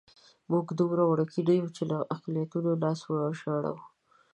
موږ دومره وړوکي نه یو چې له اقلیتونو لاسه وژاړو.